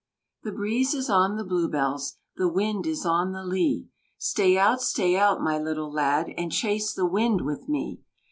"The breeze is on the Blue bells, The wind is on the lea; Stay out! stay out! my little lad, And chase the wind with me.